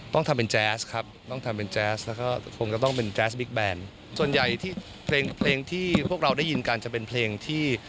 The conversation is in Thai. ต้องทำเป็นแจ๊สครับต้องทำเป็นแจ๊สแล้วก็คงจะต้องเป็นแจ๊สบิ๊กแบนส่วนใหญ่ที่เพลงเพลงที่พวกเราได้ยินกันจะเป็นเพลงที่